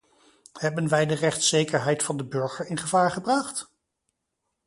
Hebben wij de rechtszekerheid van de burger in gevaar gebracht?